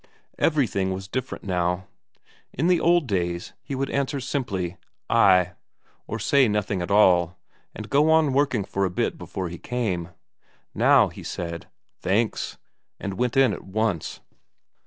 Everything was different now. In the old days he would answer simply "Ay," or say nothing at all, and go on working for a bit before he came. Now, he said "Thanks," and went in at once.